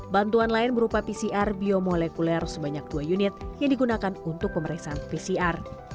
bantuan lain berupa pcr biomolekuler sebanyak dua unit yang digunakan untuk pemeriksaan pcr